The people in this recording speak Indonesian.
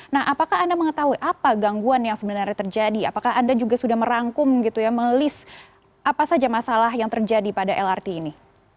nah apakah anda mengetahui apa gangguan yang sebenarnya terjadi apakah anda juga sudah merangkum gitu ya melis apa saja masalah yang terjadi pada lrt ini